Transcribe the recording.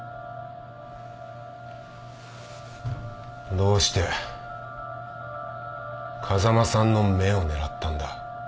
どうして風間さんの目を狙ったんだ？